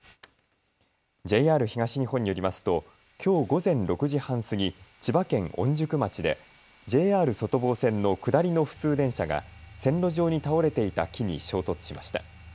ＪＲ東日本によりますときょう午前６時半過ぎ、千葉県御宿町でＪＲ外房線の下りの普通電車が線路上に倒れていた木に衝突しました。